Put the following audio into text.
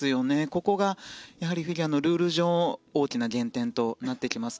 ここがやはりフィギュアのルール上大きな減点となってきます。